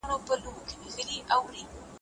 ښوونکی د زدهکوونکو ستونزو ته حل لارې لټوي.